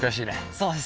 そうですね。